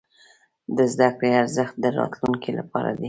د زده کړې ارزښت د راتلونکي لپاره دی.